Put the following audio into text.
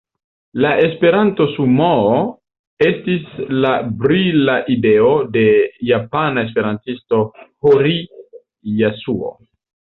La Esperanto-sumoo estis la brila ideo de japana esperantisto, Hori Jasuo.